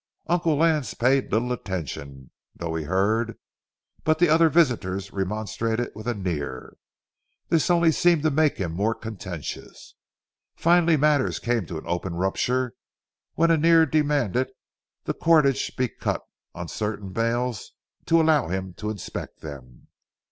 Uncle Lance paid little attention, though he heard, but the other visitors remonstrated with Annear. This only seemed to make him more contentious. Finally matters came to an open rupture when Annear demanded that the cordage be cut on certain bales to allow him to inspect them.